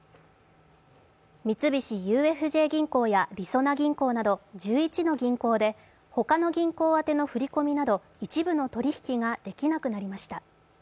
三菱ＵＦＪ銀行やりそな銀行など、１１の銀行で他の銀行あての振り込みなど一部の取引ができなくなりました。